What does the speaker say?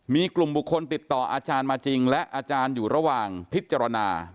มีกลุ่มบุคคลติดต่ออาจารย์มาจริงและอาจารย์อยู่ระหว่างพิจารณา